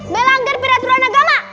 melanggar peraturan agama